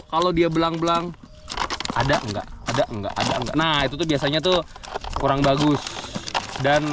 kalau dia belang belang ada enggak ada enggak ada enggak nah itu tuh biasanya tuh kurang bagus dan